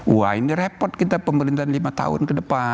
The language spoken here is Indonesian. wah ini repot kita pemerintahan lima tahun ke depan